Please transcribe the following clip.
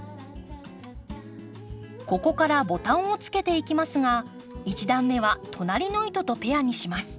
ここからボタンをつけていきますが１段目は隣の糸とペアにします。